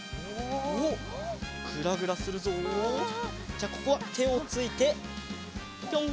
じゃあここはてをついてぴょん。